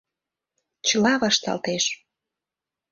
Чыла вашталтеш.